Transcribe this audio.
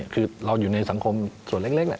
คือเราอยู่ในสังคมส่วนเล็กแหละ